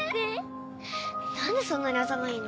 何でそんなに頭いいの？